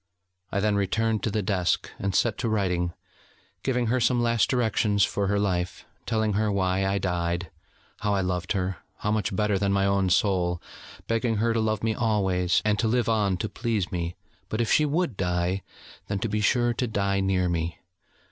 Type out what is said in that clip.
I then returned to the desk, and set to writing, giving her some last directions for her life, telling her why I died, how I loved her, much better than my own soul, begging her to love me always, and to live on to please me, but if she would die, then to be sure to die near me.